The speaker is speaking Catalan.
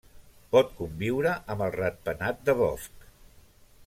Pot conviure amb el ratpenat de bosc.